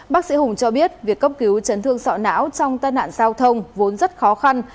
bác sĩ hùng cho biết việc cấp cứu chấn thương sọ não trong tai nạn giao thông vốn rất khó khăn